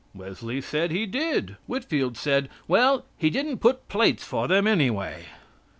Wesley said He did. Whitfield said: "Well, He didn't put plates for them, anyway."